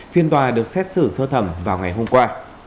phiên tòa được xét xử sơ thẩm vào ngày hôm qua